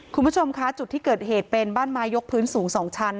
คุณผู้ชมคะจุดที่เกิดเหตุเป็นบ้านไม้ยกพื้นสูง๒ชั้น